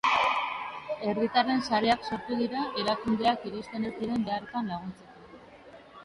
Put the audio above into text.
Herritarren sareak sortu dira erakundeak iristen ez diren beharretan laguntzeko.